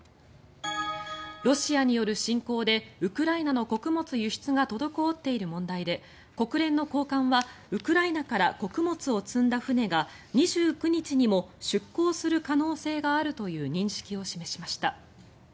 ロシアによる侵攻でウクライナの穀物輸出が滞っている問題で国連の高官はウクライナから穀物を積んだ船が２９日にも出港する可能性があるという認識を示しました。